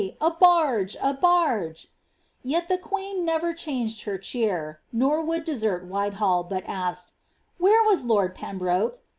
a barge, a barge?" Yet the queen never changed her cheer, nor would desert Whitehall, but asked, •* Where was lord Pembroke